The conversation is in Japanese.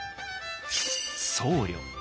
僧侶。